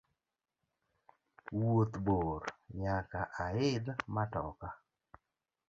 Wuoth bor nyaka aidh matoka.